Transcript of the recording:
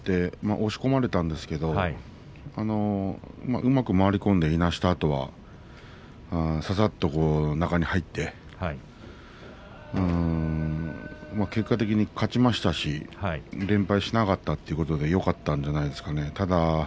押し込まれたんですがうまく回り込んでいなしたあとはささっと中に入って結果的に勝ちましたし連敗はしなかったということでよかったです。